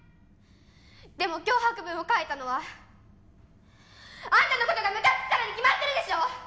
でも脅迫文を書いたのはあんたの事がむかつくからに決まってるでしょ！